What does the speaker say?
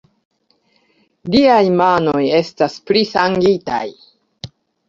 Liaj manoj estas prisangitaj.